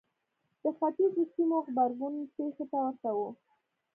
د ختیځو سیمو غبرګون پېښې ته ورته و.